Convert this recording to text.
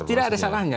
tidak ada salahnya